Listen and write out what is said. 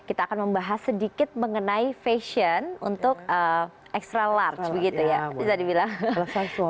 kita akan membahas sedikit mengenai fashion untuk extra large